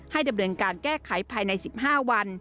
ดำเนินการแก้ไขภายใน๑๕วัน